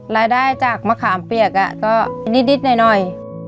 รายได้จากมะขามเปียกก็นิดหน่อย